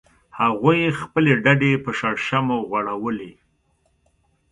هغوی خپلې ډډې په شړشمو غوړولې